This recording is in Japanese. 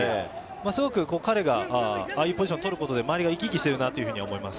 すごく彼がああいうポジションを取ることで周りが生き生きしているなと思います。